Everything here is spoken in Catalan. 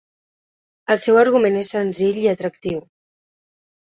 El seu argument és senzill i atractiu.